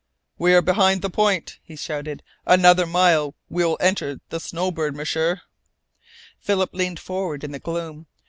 "We are behind the point," he shouted. "Another mile and we will enter the Snowbird, M'sieur!" Philip leaned forward in the gloom.